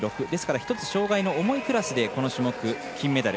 １つ障がいの重いクラスでこの種目金メダル。